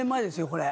これ。